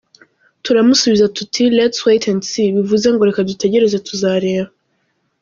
Turamusubiza tuti “let’s wait and see”, bivuze ngo “reka dutegereze tuzarebe”.